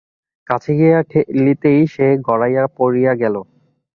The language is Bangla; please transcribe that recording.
কাছে গিয়া ঠেলিতেই সে গড়াইয়া পড়িয়া গেল।